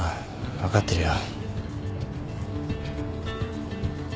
分かってるよ。